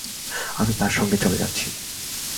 আমি তার সঙ্গে চলে যাচ্ছি।